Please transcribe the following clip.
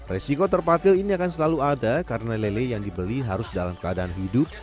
resiko terpatil ini akan selalu ada karena lele yang dibeli harus dalam keadaan hidup